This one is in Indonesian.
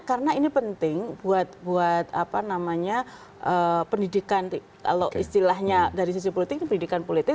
karena ini penting buat pendidikan kalau istilahnya dari sisi politik itu pendidikan politik